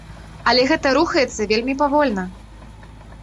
Але гэта рухаецца вельмі павольна.